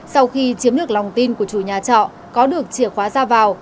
sau khi chiếm được lòng tin của chủ nhà trọ có được chìa khóa ra vào